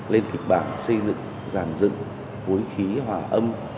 lên kịch bản xây dựng giàn dựng bối khí hòa âm